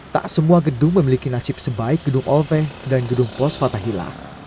tak semua gedung memiliki nasib sebaik gedung olveh dan gedung pos fathahila